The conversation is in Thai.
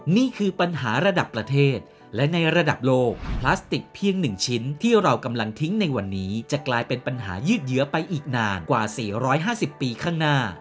นี่คือปัญหาระดับประเทศและในระดับโลกพลาสติกเพียง๑ชิ้นที่เรากำลังทิ้งในวันนี้จะกลายเป็นปัญหายืดเยื้อไปอีกนานกว่า๔๕๐ปีข้างหน้า